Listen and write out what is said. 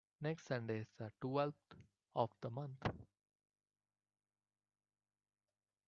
Next Sunday is the twelfth of the month.